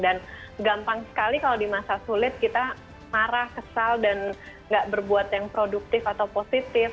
dan gampang sekali kalau di masa sulit kita marah kesal dan nggak berbuat yang produktif atau positif